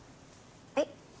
はい。